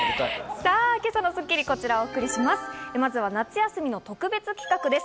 さぁ、今朝の『スッキリ』はこちらをお送りします。